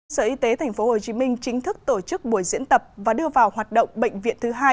sở y tế tp hcm chính thức tổ chức buổi diễn tập và đưa vào hoạt động bệnh viện thứ hai